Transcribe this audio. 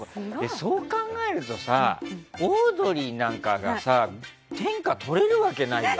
そう考えるとさオードリーなんかがさ天下とれるわけないよな。